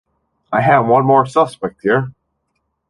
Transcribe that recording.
I have one more suspect here.